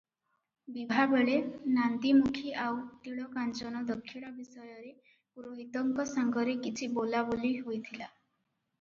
ବିଭାବେଳେ ନାନ୍ଦୀମୁଖୀ ଆଉ ତିଳକାଞ୍ଚନ ଦକ୍ଷିଣା ବିଷୟରେ ପୁରୋହିତଙ୍କ ସାଙ୍ଗରେ କିଛି ବୋଲାବୋଲି ହୋଇଥିଲା ।